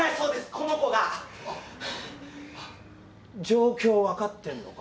この子が状況分かってんのか？